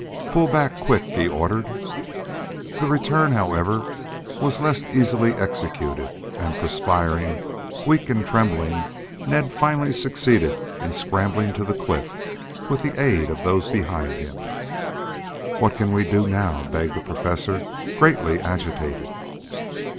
"Pull back, quick!" he ordered. The return, however, was less easily executed, and perspiring, weak and trembling, Ned finally succeeded in scrambling to the cliff, with the aid of those behind him. "What can we do now?" begged the Professor, greatly agitated.